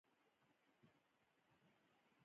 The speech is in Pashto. هغوی ځان عمومي واټ ته ورسول چې پولیس یې ونیسي.